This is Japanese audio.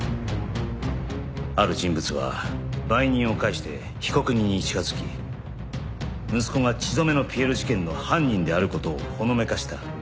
ある人物は売人を介して被告人に近づき息子が血染めのピエロ事件の犯人である事をほのめかした。